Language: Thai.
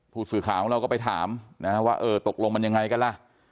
ผู้สื่อข่าวของเราก็ไปถามว่าเออตกลงมันยังไงกันล่ะ